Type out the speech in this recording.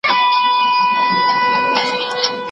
او په څلوردېرش کلنی کي